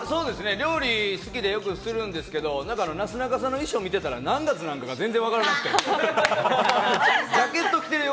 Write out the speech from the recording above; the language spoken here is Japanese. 料理好きでよくするんですけど、なすなかさんの衣装を見ていたら何月か全然わからなくて。